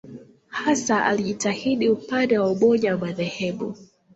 Hasa alijitahidi upande wa umoja wa madhehebu.